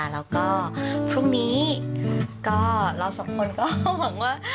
แล้วก็พรุ่งนี้ก็เราสองคนก็หวังว่า